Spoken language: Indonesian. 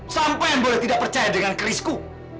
sampean boleh tidak percaya dengan kerisku